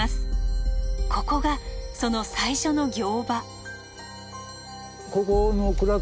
ここがその最初の行場。